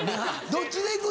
どっちでいく？